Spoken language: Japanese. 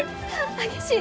激しい！